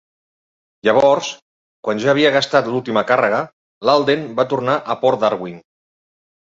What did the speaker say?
Llavors, quan ja havia gastat l'última càrrega, l'"Alden" va tornar a Port Darwin.